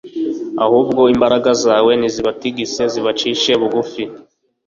ahubwo imbaraga zawe nizibatigise, zibacishe bugufi